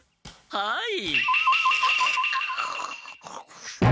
はい。